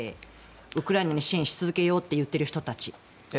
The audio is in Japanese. ウクライナに支援し続けようと言っている人たち。